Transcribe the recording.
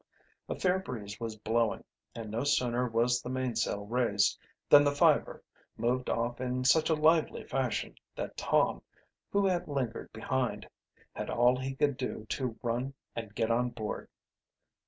A fair breeze was blowing, and no sooner was the mainsail raised than the Fiver, moved off in such a lively fashion that Tom, who had lingered behind, had all he could do to run and get on board.